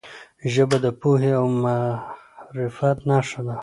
ژبه د پوهې او معرفت نښه ده.